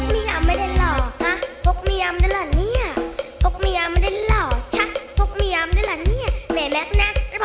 ในร้านยกที่๔เพลงมาครับ